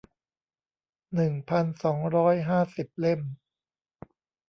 หนึ่งพันสองร้อยห้าสิบ เล่ม